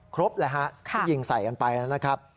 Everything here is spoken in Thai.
ครบเลยฮะที่ยิงใส่กันไปแล้วนะครับ